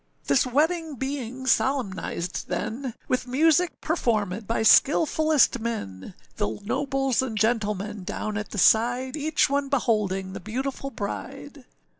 This wedding being solemnized then, With music performèd by skilfullest men, The nobles and gentlemen down at the side, Each one beholding the beautiful bride.